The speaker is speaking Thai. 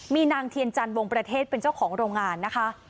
มีนางเทียนจันทวงประเทศเป็นเจ้าของโรงงานนะคะ